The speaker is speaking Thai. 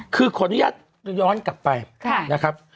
คือขออนุญาตย้อนกลับไปนะครับ